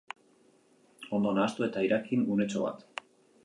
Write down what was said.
Ondo nahastu eta irakin unetxo bat.